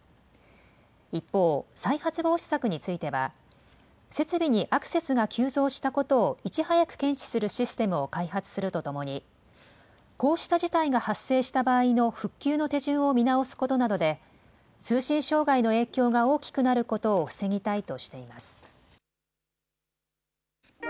一方、再発防止策については、設備にアクセスが急増したことをいち早く検知するシステムを開発するとともに、こうした事態が発生した場合の復旧の手順を見直すことなどで、通信障害の影響が大きくなることを防ぎたいとしています。